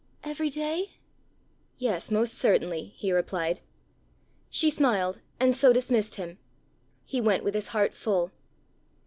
"Every day?" "Yes, most certainly," he replied. She smiled, and so dismissed him. He went with his heart full.